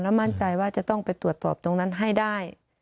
มั่นใจว่าจะต้องไปตรวจสอบตรงนั้นให้ได้